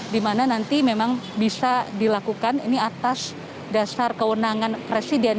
di mana nanti memang bisa dilakukan ini atas dasar kewenangan presiden